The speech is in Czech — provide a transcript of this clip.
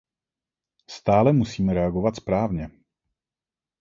Stále musíme reagovat správně.